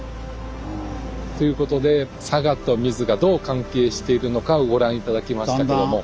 ということで佐賀と水がどう関係しているのかをご覧頂きましたけども。